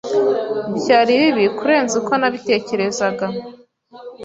Byari bibi kurenza uko nabitekerezaga.